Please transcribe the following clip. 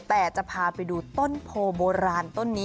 แต่จะพาไปดูต้นโพโบราณต้นนี้